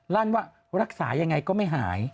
ลั่นว่ารักษายังไงก็ไม่หาย